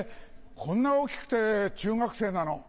こんな大きくて中学生なの？